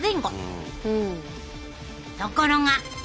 ところが。